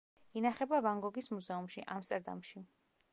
ინახება ვან გოგის მუზეუმში, ამსტერდამში.